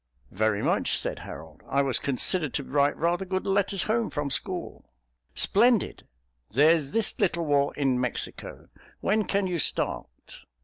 "Very much," said Harold. "I was considered to write rather good letters home from school." "Splendid! There's this little war in Mexico. When can you start?